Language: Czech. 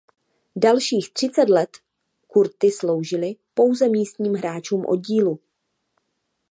Dalších třicet let kurty sloužily pouze místním hráčům oddílu.